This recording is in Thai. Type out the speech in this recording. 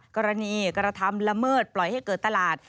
กรณีกรรธรรมละเมิดปล่อยให้เกิดตลาด